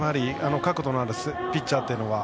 角度のあるピッチャーは。